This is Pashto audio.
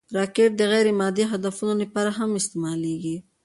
راکټ د غیر مادي هدفونو لپاره هم استعمالېږي